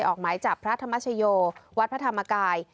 ออกหมายจับพระธรรมชโยวัดพระธรรมกาย